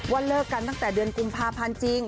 เลิกกันตั้งแต่เดือนกุมภาพันธ์จริง